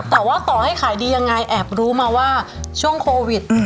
แต่ว่าต่อให้ขายดียังไงแอบรู้มาว่าช่วงโควิด